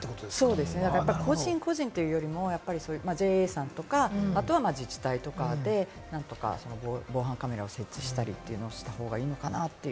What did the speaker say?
そうですね、個人個人というよりも、ＪＡさんや自治体などでなんとか防犯カメラを設置したりなどした方がいいのかなって。